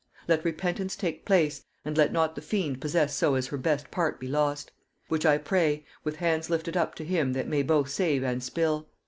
"Let repentance take place; and let not the fiend possess so as her best part be lost. Which I pray, with hands lifted up to him that may both save and spill.